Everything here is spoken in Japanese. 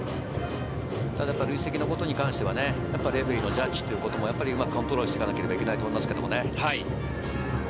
累積のことに関してはレフェリーのジャッジというのもうまくコントロールしていかなければいけないと思いますけどね。